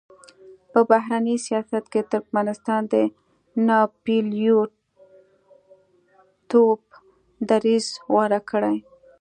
په بهرني سیاست کې ترکمنستان د ناپېیلتوب دریځ غوره کړی.